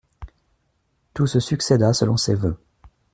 Tout se succéda selon ses voeux.